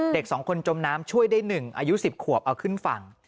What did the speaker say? ๒คนจมน้ำช่วยได้๑อายุ๑๐ขวบเอาขึ้นฝั่ง